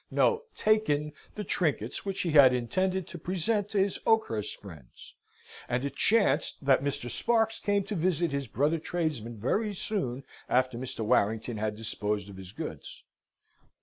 no; taken the trinkets which he had intended to present to his Oakhurst friends; and it chanced that Mr. Sparks came to visit his brother tradesman very soon after Mr. Warrington had disposed of his goods.